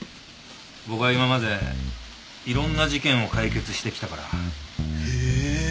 僕は今までいろんな事件を解決してきたからへぇー。